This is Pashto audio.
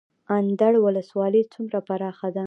اندړ ولسوالۍ څومره پراخه ده؟